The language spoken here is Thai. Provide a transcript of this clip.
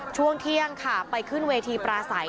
ช่วงเที่ยงค่ะไปขึ้นเวทีปราศัย